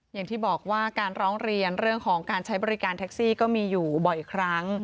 อย่างที่บอกว่าการร้องเรียนเรื่องของการใช้บริการแท็กซี่ก็มีอยู่บ่อยครั้ง